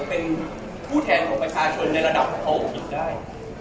เป็นผู้แทนของประชาชนในระดับที่เค้าผิดได้